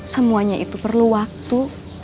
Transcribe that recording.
semuanya itu perlu waktu